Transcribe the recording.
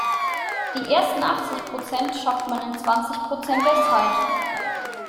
Die ersten achtzig Prozent schafft man in zwanzig Prozent der Zeit.